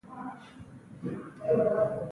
راتلونکې روښانه نه ښکارېدله.